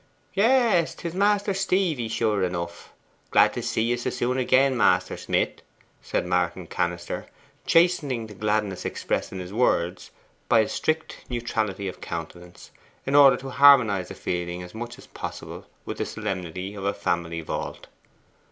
'Yes, 'tis Master Stephy, sure enough. Glad to see you so soon again, Master Smith,' said Martin Cannister, chastening the gladness expressed in his words by a strict neutrality of countenance, in order to harmonize the feeling as much as possible with the solemnity of a family vault.